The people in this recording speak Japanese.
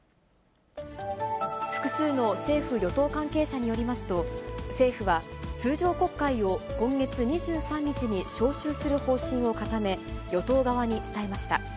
複数の政府・与党関係者によりますと、政府は、通常国会を今月２３日に召集する方針を固め、与党側に伝えました。